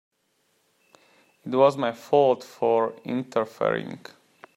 It was my fault for interfering.